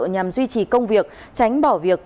nhằm duy trì công việc tránh bỏ việc